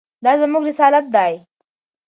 دا زموږ رسالت دی.